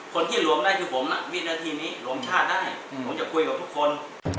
คนที่รวมได้คือผมวินาทีนี้รวมชาติได้ผมจะคุยกับทุกคน